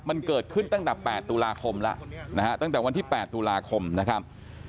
มันเกิดขึ้นตั้งแต่๘ตุลาคมแล้วนะฮะตั้งแต่วันที่๘ตุลาคมนะครับ